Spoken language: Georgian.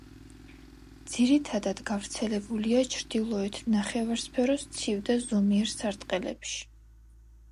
ძირითადად გავრცელებულია ჩრდილოეთ ნახევარსფეროს ცივ და ზომიერ სარტყელებში.